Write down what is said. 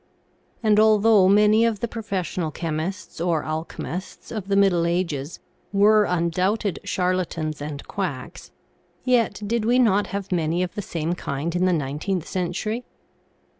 And, although many of the profes sional chemists or alchemists of the middle ages were 82 THE SEVEN FOLLIES OF SCIENCE undoubted charlatans and quacks, yet did we not have many of the same kind in the nineteenth century